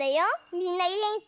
みんなげんき？